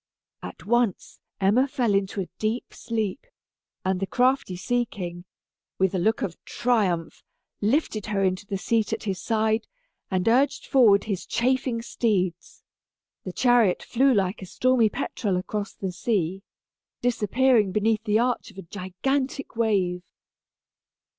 At once, Emma fell into a deep sleep, and the crafty sea king, with a look of triumph, lifted her into the seat at his side and urged forward his chafing steeds; the chariot flew like a stormy petrel across the sea, disappearing beneath the arch of a gigantic wave!